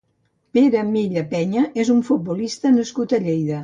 Pere Milla Peña és un futbolista nascut a Lleida.